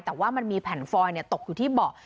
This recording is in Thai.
แต่ว่ามันมีแผ่นฟอยตกอยู่ที่เบาะ